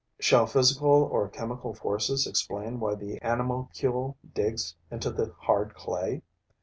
Shall physical or chemical forces explain why the animalcule digs into the hard clay?